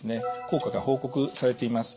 効果が報告されています。